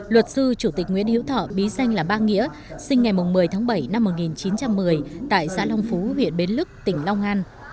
luật sư chủ tịch nguyễn hữu thọ bí danh là ba nghĩa sinh ngày một mươi tháng bảy năm một nghìn chín trăm một mươi tại xã long phú huyện bến lức tỉnh long an